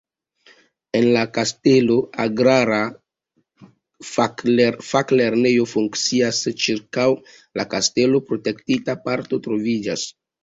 En la kastelo agrara faklernejo funkcias, ĉirkaŭ la kastelo protektita parko troviĝas.